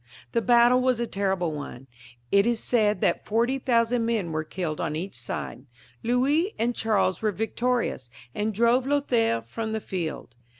The battle was a terrible one ; it is* said that 40,000 men were killed on each side. Louis and Charles were victorious, and drove Lothaire from the field.